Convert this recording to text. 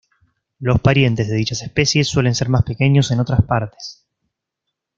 Los parientes de dichas especies suelen ser más pequeños en otras partes.